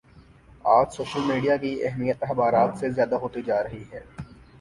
آج social media کی اہمیت اخبارات سے زیادہ ہوتی جا رہی ہے